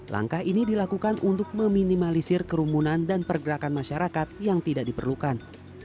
langkah ini dilakukan untuk meminimalisir kerumunan dan pergerakan masyarakat yang tidak diperlukan